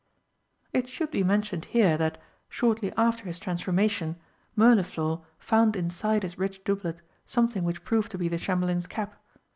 It should be mentioned here that, shortly after his transformation, Mirliflor found inside his rich doublet something which proved to be the Chamberlain's cap.